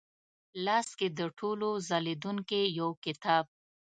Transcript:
لاس کې د ټولو ځلېدونکې یوکتاب،